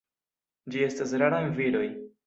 Ĝi estas rara en viroj.